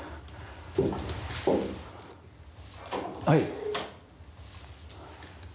はい。